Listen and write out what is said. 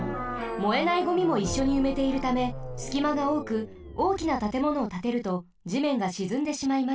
燃えないゴミもいっしょにうめているためすきまがおおくおおきなたてものをたてるとじめんがしずんでしまいます。